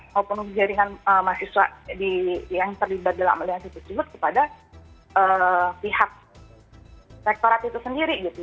maupun jaringan mahasiswa yang terlibat dalam aliansi tersebut kepada pihak rektorat itu sendiri gitu